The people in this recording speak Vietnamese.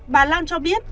bà lan cho biết